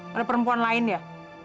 sama perempuan lain ya